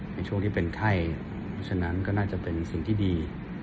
ในช่วงที่เป็นไข้เพราะฉะนั้นก็น่าจะเป็นสิ่งที่ดี